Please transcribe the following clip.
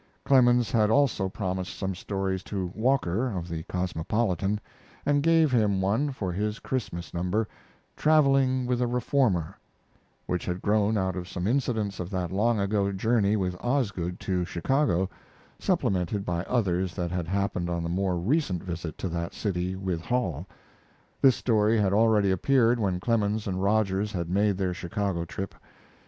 Clemens had also promised some stories to Walker, of the Cosmopolitan, and gave him one for his Christmas number, "Traveling with a Reformer," which had grown out of some incidents of that long ago journey with Osgood to Chicago, supplemented by others that had happened on the more recent visit to that city with Hall. This story had already appeared when Clemens and Rogers had made their Chicago trip.